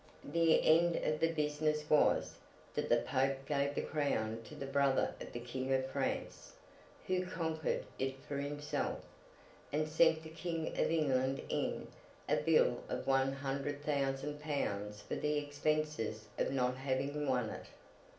The end of the business was, that the Pope gave the Crown to the brother of the King of France (who conquered it for himself), and sent the King of England in, a bill of one hundred thousand pounds for the expenses of not having won it.